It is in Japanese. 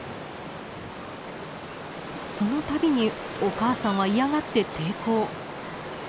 その度にお母さんは嫌がって抵抗。